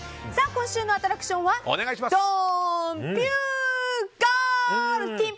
今週のアトラクションはドーン！